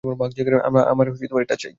আমার এটা চাই।